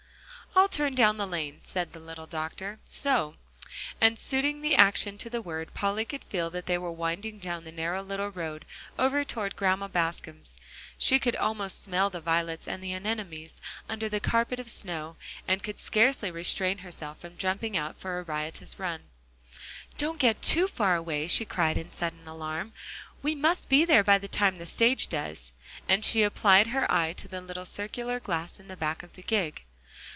"I'll turn down the lane," said the little doctor, "so"; and suiting the action to the word, Polly could feel that they were winding down the narrow little road over toward Grandma Bascom's. She could almost smell the violets and anemones under the carpet of snow, and could scarcely restrain herself from jumping out for a riotous run. "Don't go too far away," she cried in sudden alarm. "We must be there by the time the stage does." And she applied her eye to the little circular glass in the back of the gig.